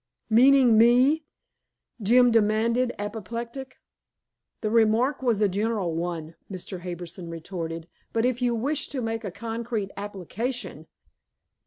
"Meaning me?" Jim demanded, apoplectic. "The remark was a general one," Mr. Harbison retorted, "but if you wish to make a concrete application